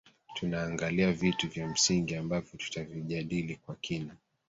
tunaangalia vitu vya msingi ambavyo tutavijadili kwa kina